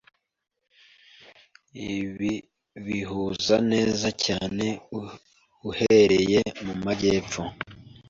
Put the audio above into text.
Ibi bihuza neza cyane uhereye mumajyepfo